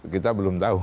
kita belum tahu